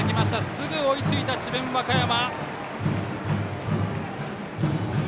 すぐ追いついた智弁和歌山。